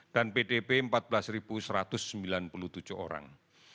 dan pdb empat belas satu ratus sembilan puluh tujuh orang